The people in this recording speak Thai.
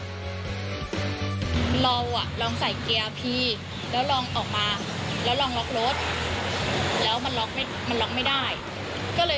เราลองใส่เกียร์พีแล้วลองออกมาแล้วลองล็อกรถ